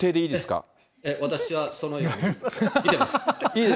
いいですか。